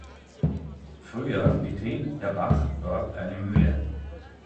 Früher betrieb der Bach dort eine Mühle.